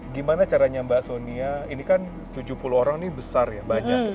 gimana caranya mbak sonia ini kan tujuh puluh orang ini besar ya banyak